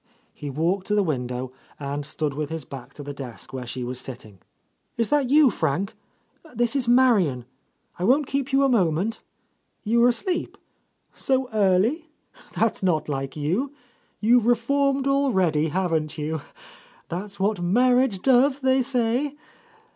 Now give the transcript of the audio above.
He walked to the window and stood with his back to the desk where she was sitting. "Is that you, Frank? This is Marian. I won't keep you a moment. You were asleep? So early? That's not like you. You've reformed already, haven't you? That's what marriage does, they say.